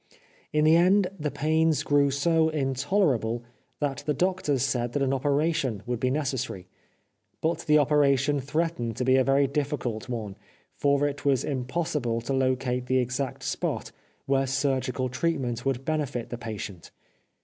In the end the pains grew so intolerable that the doctors said that an operation would be necessary. But the operation threatened to be a very difficult one, for it was impossible to locate the exact spot where surgical treatment would benefit the patient.